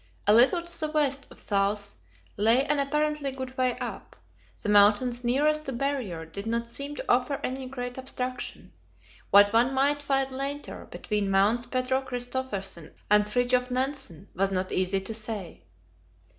A little to the west of south lay an apparently good way up. The mountains nearest to the Barrier did not seem to offer any great obstruction. What one might find later, between Mounts Pedro Christophersen and Fridtjof Nansen, was not easy to say.